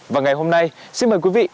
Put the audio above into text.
và ngày hôm nay xin mời quý vị